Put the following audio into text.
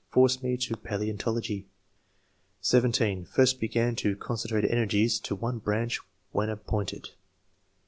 forced me to palaeontology. (17) First began to concentrate energies to one branch, when appointed